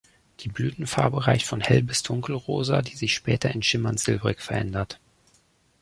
Die Blütenfarbe reicht von Hell- bis Dunkelrosa, die sich später in schimmernd silbrig verändert.